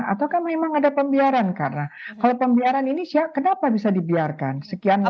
ataukah memang ada pembiaran karena kalau pembiaran ini kenapa bisa dibiarkan sekian lama